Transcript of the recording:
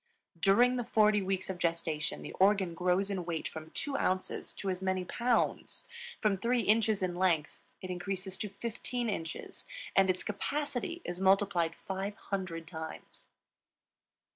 During the forty weeks of gestation the organ grows in weight from two ounces to as many pounds; from three inches in length it increases to fifteen inches; and its capacity is multiplied 500 times.